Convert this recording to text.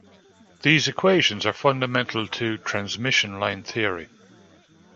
These equations are fundamental to transmission line theory.